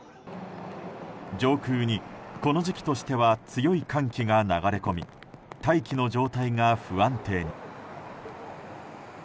上空に、この時期としては強い寒気が流れ込み大気の状態が不安定に。